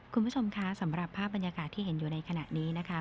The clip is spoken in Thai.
คุณผู้ชมคะสำหรับภาพบรรยากาศที่เห็นอยู่ในขณะนี้นะคะ